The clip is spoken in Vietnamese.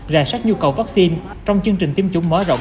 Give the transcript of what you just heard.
rà sát nhu cầu vaccine trong chương trình tiêm chủng mở rộng